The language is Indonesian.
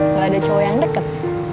nggak ada cowok yang deket